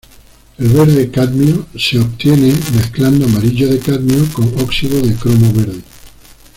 El verde cadmio se obtiene mezclando amarillo de cadmio con óxido de cromo verde.